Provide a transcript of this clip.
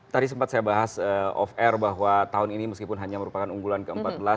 tadi sempat saya bahas off air bahwa tahun ini meskipun hanya merupakan unggulan ke empat belas